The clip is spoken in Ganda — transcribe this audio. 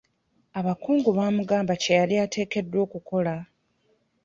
Abakungu bamugamba kye yali ateekeddwa okukola.